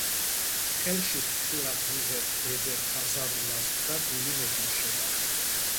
ხელში ფრთხილად ვიღებ ბებერ ხაზარულას და გული მეკუმშება.